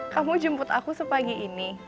kamu jemput aku sepagi ini